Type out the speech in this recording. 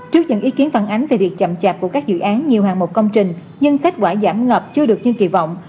trước những ý kiến phản ánh về việc chậm chạp của các dự án nhiều hàng mục công trình nhưng kết quả giảm ngập chưa được như kỳ vọng